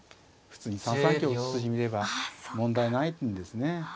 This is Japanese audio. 普通に３三桂打つ筋見れば問題ないんですね。